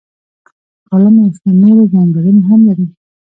کالم یو شمیر نورې ځانګړنې هم لري.